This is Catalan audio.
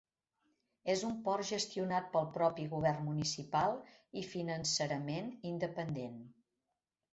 És un port gestionat pel propi govern municipal i financerament independent.